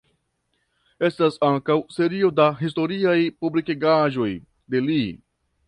Estas ankaŭ serio da historiaj publikigaĵoj de li.